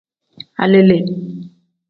Alele.